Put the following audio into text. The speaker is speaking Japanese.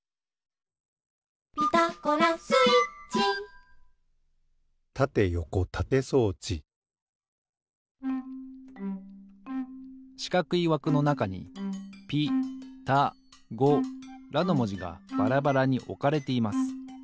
「ピタゴラスイッチ」しかくいわくのなかに「ピ」「タ」「ゴ」「ラ」のもじがバラバラにおかれています。